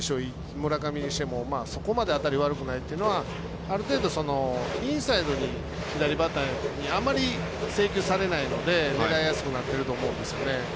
村上にしても、そこまで当たり悪くないというのはある程度、インサイドに左バッターにあまり制球されないので狙いやすくなってると思うんですよね。